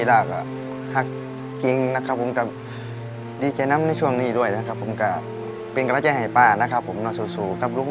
หากกิ๊งดีใจน้ำในช่วงนี้ด้วยก็เป็นกระจ่ายให้ป้าหน่อนสู้สู้กับลุง